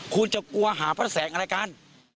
คุณจะกลัวหาพระแสงอะไรกัน